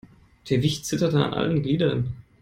Der Wicht zitterte an allen Gliedern.